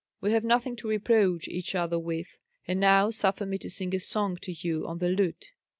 We have nothing to reproach each other with. And now suffer me to sing a song to you on the lute."